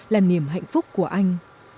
là niềm hạnh phúc của anh